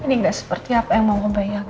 ini gak seperti apa yang mama bayangin